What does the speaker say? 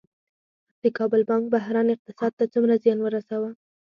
د کابل بانک بحران اقتصاد ته څومره زیان ورساوه؟